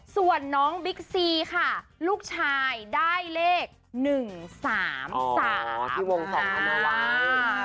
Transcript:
ส่วนน้องบิ๊กซีค่ะลูกชายได้เลข๑๓๓อ๋อที่วง๒อันนั้นแล้วว่ะ